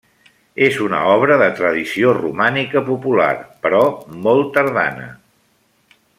És una obra de tradició romànica popular, però molt tardana.